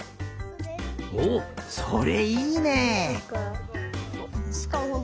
おっそれいいね！